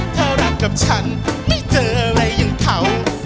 ถ้ารักกับฉันไม่เจออะไรอย่างเขา